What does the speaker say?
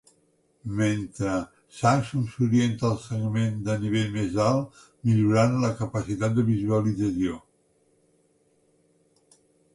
Mentre, Samsung s'orienta al segment de nivell més alt millorant la capacitat de visualització.